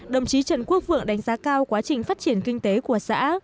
đồng chí trần quốc vượng đánh giá cao quá trình phát triển kinh tế của xã